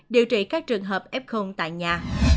điều trị các trường hợp f tại nhà